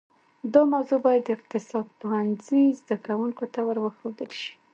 دا موضوع باید د اقتصاد پوهنځي زده کونکو ته ورښودل شي